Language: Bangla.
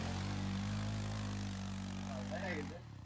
বিভার গলা ধরিয়া স্নেহের স্বরে কহিল, কী দেখিতেছিস বিভা?